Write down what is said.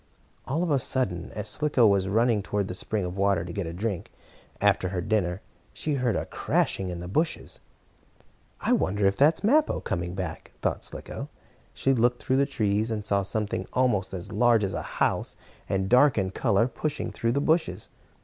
All of a sudden, as Slicko was running toward the spring of water to get a drink, after her dinner, she heard a crashing in the bushes. "I wonder if that is Mappo coming back," thought Slicko. She looked through the trees, and saw something almost as large as a house, and dark in color, pushing through the bushes.